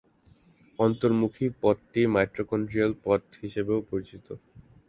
অন্তর্মুখী পথটি মাইটোকন্ড্রিয়াল পথ হিসাবেও পরিচিত।